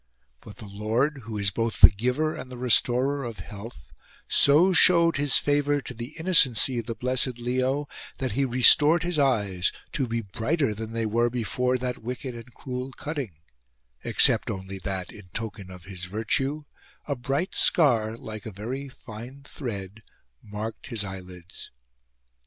91 POPE LEO CURED But the Lord, who is both the giver and the restorer of health, so showed his favour to the inno cency of the blessed Leo that he restored his eyes to be brighter than they were before that wicked and cruel cutting ; except only that, in token of his virtue, a bright scar (like a very fine thread) marked his eyelids.